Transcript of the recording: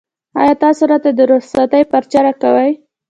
ایا تاسو راته د رخصتۍ پارچه راکوئ؟